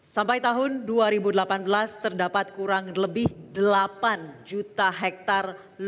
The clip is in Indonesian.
sampai tahun dua ribu delapan belas terdapat kurang lebih delapan juta hektare